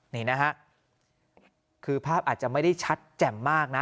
นี่นะฮะคือภาพอาจจะไม่ได้ชัดแจ่มมากนะ